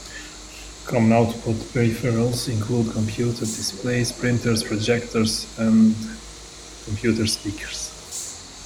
Common output peripherals include computer displays, printers, projectors, and computer speakers.